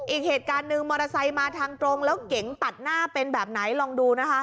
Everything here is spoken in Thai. อีกเหตุการณ์นึงมทสมาททางตรงแล้วเก๋งตัดหน้าเป็นแบบไหนลองดูนะคะ